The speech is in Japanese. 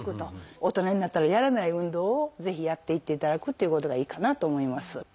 大人になったらやらない運動をぜひやっていっていただくっていうことがいいかなと思います。